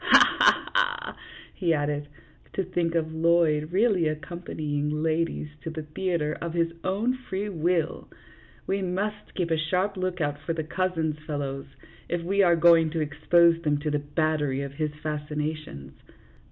Ha ! ha ! ha !" he added. " To think of Lloyd really accompanying ladies to the theatre of his own free will ! We must keep a sharp lookout for the cousins, fellows, if we are going to expose them to the battery of his fascina tions.